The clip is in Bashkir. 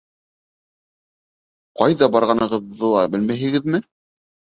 — Ҡайҙа барғанығыҙҙы ла белмәйһегеҙме?